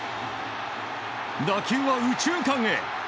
打球は右中間へ。